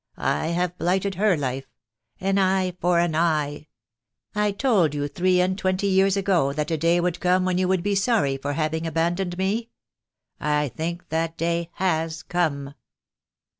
I have blighted her life — an eye for an eye. I told you three and twenty years ago that a day would come when you would be sorry for having aban doned me. I think that day has come.